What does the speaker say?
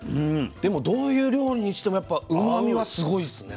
でもどういう料理にしてもやっぱうまみはすごいですね。